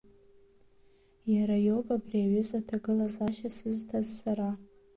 Иара иоуп абри аҩыза аҭагылазаашьа сызҭаз сара.